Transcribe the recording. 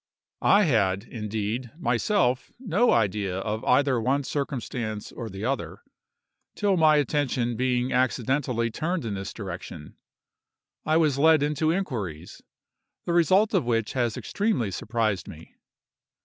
I had, indeed, myself no idea of either one circumstance or the other, till my attention being accidentally turned in this direction, I was led into inquiries, the result of which has extremely surprised me.